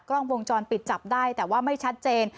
กล้องวงจรปิดจับได้แต่ว่าไม่ชัดเจน